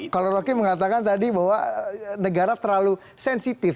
kalau rocky mengatakan tadi bahwa negara terlalu sensitif